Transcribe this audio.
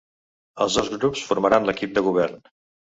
El dos grups formaran l’equip de govern.